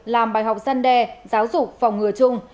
làm bài học dân đe giáo dục phòng ngừa chung